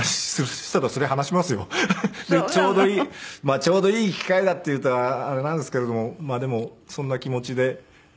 ちょうどいい機会だっていうとあれなんですけれどもでもそんな気持ちで。